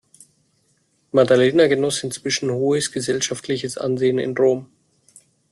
Maddalena genoss inzwischen hohes gesellschaftliches Ansehen in Rom.